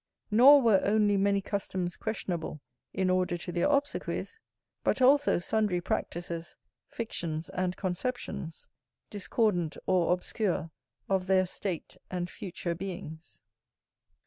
Nor were only many customs questionable in order to their obsequies, but also sundry practices, fictions, and conceptions, discordant or obscure, of their state and future beings.